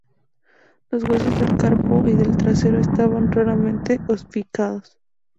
Los huesos del carpo y del tarso estaban raramente osificados.